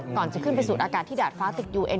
ก่อนจะขึ้นไปสูดอากาศที่ดาดฟ้าติดยูเอ็